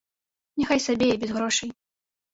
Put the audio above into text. Няхай сабе і без грошай.